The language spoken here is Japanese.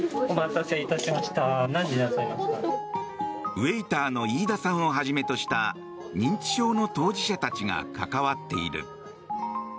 ウェーターの飯田さんをはじめとした認知症の当事者たちが関わっている。